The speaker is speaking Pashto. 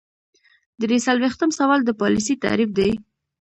درې څلویښتم سوال د پالیسۍ تعریف دی.